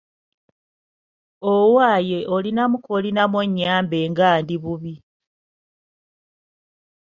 Owaaye olinamu koolinamu onnyambe nga ndi bubi.